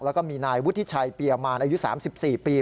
แล้วก็มีนายวุฒิชัยเปียมารอายุ๓๔ปี